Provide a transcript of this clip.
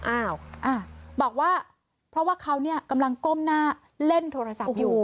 อ้าวบอกว่าเพราะว่าเขาเนี่ยกำลังก้มหน้าเล่นโทรศัพท์อยู่